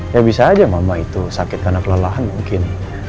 ya bisa aja mama itu sakit karena kelelahan mungkin